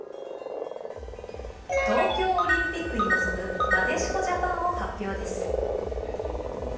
東京オリンピックに臨むなでしこジャパンを発表です。